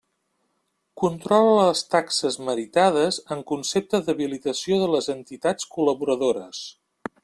Controla les taxes meritades en concepte d'habilitació de les entitats col·laboradores.